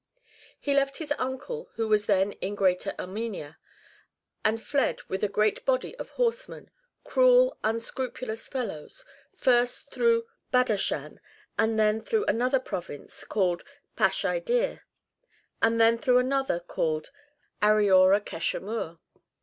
He left his uncle who was then in Greater Armenia, and fled with a great body of horsemen, cruel unscrupulous fellows, first through Badashan, and then through another province called Pasfiai Dir, and then through another called Ariora Keshemur.